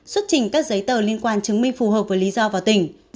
xuất trình các giấy tờ liên quan chứng minh phù hợp với lý do vào tỉnh